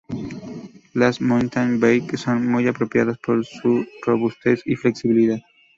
Las mountain bike son muy apropiadas por su robustez y flexibilidad.